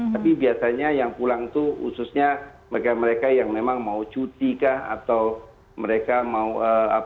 tapi biasanya yang pulang itu khususnya mereka mereka yang memang mau cuti kah atau mereka mau apa